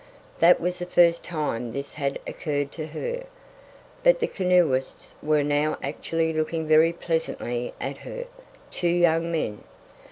That was the first time this had occurred to her. But the canoeists were now actually looking very pleasantly at her two young men.